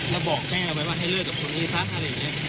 และบอกแม่เลยว่าให้เลิกกับพวกนี้ซะอย่างยังไง